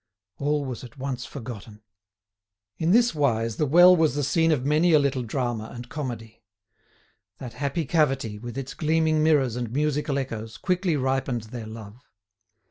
All was at once forgotten. In this wise the well was the scene of many a little drama and comedy. That happy cavity, with its gleaming mirrors and musical echoes, quickly ripened their love.